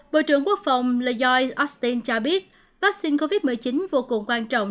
bộ trưởng quốc phòng lay austin cho biết vaccine covid một mươi chín vô cùng quan trọng